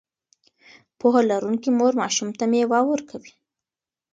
پوهه لرونکې مور ماشوم ته مېوه ورکوي.